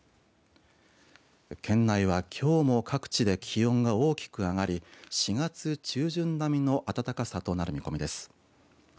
県内はきょうも各地で気温が大きく上がり４月中旬並みの暖かさとなる見込みです。